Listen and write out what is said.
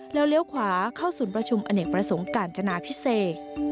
แล้วเลี้ยวขวาเข้าศูนย์ประชุมอเนกประสงค์กาญจนาพิเศษ